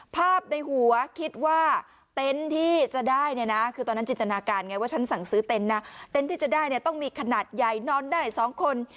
ภาพในหัวคิดว่าเต็นต์ที่จะได้เนี่ยนะคือตอนนั้นจินตนาการไงว่าฉันสั่งซื้อเต็นต์นะเต็นต์ที่จะได้เนี่ยต้องมีขนาดใหญ่นอนได้๒คน